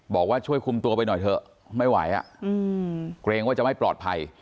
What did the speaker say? บอกว่าช่วยคุมตัวไปหน่อยเถอะไม่ไหวเกรงว่าจะไม่ปลอดภัย